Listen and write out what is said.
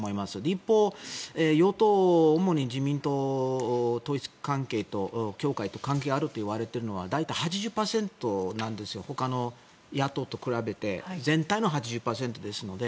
一方、与党主に自民党が統一教会と関係があるといわれているのは大体８０％なんですほかの野党と比べて全体の８０％ですので。